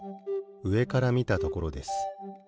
うえからみたところです。